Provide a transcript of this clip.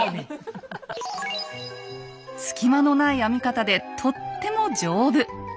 隙間のない編み方でとっても丈夫。